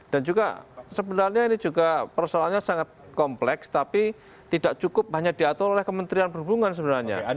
dan juga sebenarnya ini juga persoalannya sangat kompleks tapi tidak cukup hanya diatur oleh kementerian perhubungan sebenarnya